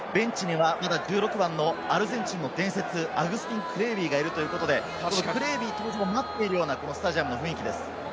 １６番のアルゼンチンの伝説、アグスティン・クレービーがいるということで、クレービー登場を待っているようなスタジアムの雰囲気です。